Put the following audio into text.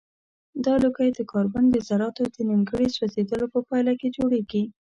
دا لوګی د کاربن د ذراتو د نیمګړي سوځیدلو په پایله کې جوړیږي.